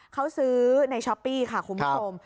เขาซื้อในช้อปปี้ค่ะคุณผู้ชม